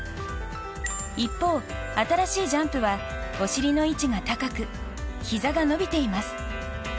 一方、新しいジャンプはお尻の位置が高くひざが伸びています。